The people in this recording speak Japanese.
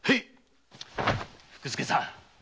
福助さん！